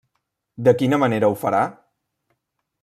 De quina manera ho farà?